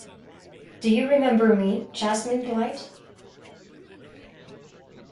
Do you remember me, Jasmine Bligh?'.